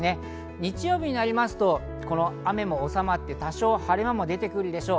日曜日になりますと、この雨もおさまって多少晴れ間も出てくるでしょう。